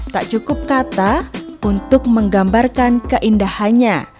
tak cukup kata untuk menggambarkan keindahannya